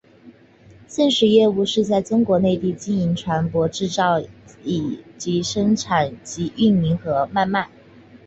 现时业务是在中国内地经营船舶制造之生产及营运和买卖。